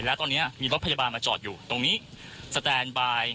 แล้วตอนนี้มีรถพยาบาลมาจอดอยู่ตรงนี้สแตนบาย